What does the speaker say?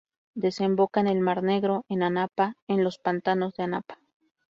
Desemboca en el mar Negro en Anapa, en los pantanos de Anapa.